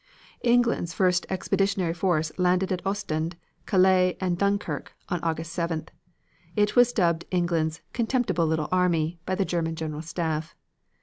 England's first expeditionary force landed at Ostend, Calais and Dunkirk on August 7th. It was dubbed England's "contemptible little army" by the German General Staff.